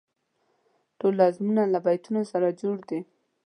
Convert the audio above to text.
ټول نظمونه له بیتونو جوړ دي.